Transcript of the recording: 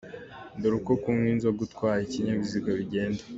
Dore uko kunywa inzoga utwaye ikinyabiziga bigenda